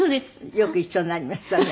よく一緒になりましたね